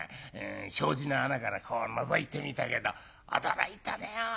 障子の穴からこうのぞいてみたけど驚いたねぇおい。